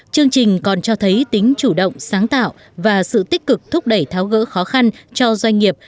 chương trình còn cho thấy tính chủ động sáng tạo và sự tích cực thúc đẩy tháo gỡ khó khăn cho doanh nghiệp